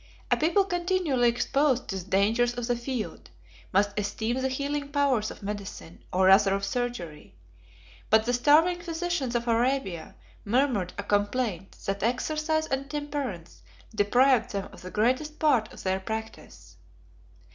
A people continually exposed to the dangers of the field must esteem the healing powers of medicine, or rather of surgery; but the starving physicians of Arabia murmured a complaint that exercise and temperance deprived them of the greatest part of their practice.